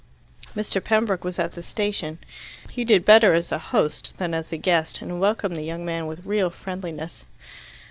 Mr. Pembroke was at the station. He did better as a host than as a guest, and welcomed the young man with real friendliness.